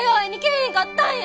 へんかったんや。